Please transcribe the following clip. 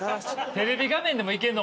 テレビ画面でもいけんのかな？